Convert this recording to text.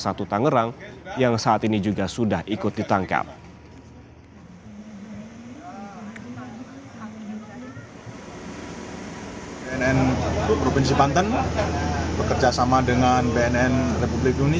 satu tanggerang yang saat ini juga sudah ikut ditangkap